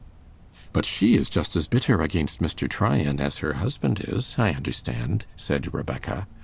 'But she is just as bitter against Mr. Tryan as her husband is, I understand,' said Rebecca.